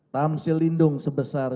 tamsil lindung sebesar